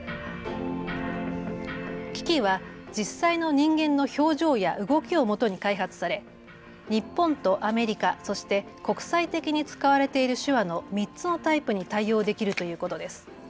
ＫＩＫＩは実際の人間の表情や動きをもとに開発され日本とアメリカ、そして国際的に使われている手話の３つのタイプに対応できるということです。